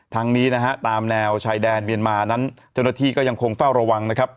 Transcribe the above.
นี้นะฮะตามแนวชายแดนเมียนมานั้นเจ้าหน้าที่ก็ยังคงเฝ้าระวังนะครับ